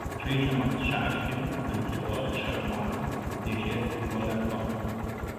Žaidžiamas šaškėmis ant kietos šachmatų dėžės tipo lentos.